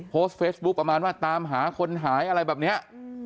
โพสต์เฟซบุ๊คประมาณว่าตามหาคนหายอะไรแบบนี้